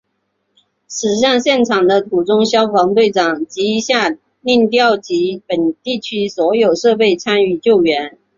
驶向现场的途中消防队长即下令调集本地区所有设备参与救援。